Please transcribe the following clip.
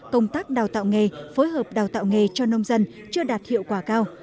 công tác đào tạo nghề phối hợp đào tạo nghề cho nông dân chưa đạt hiệu quả cao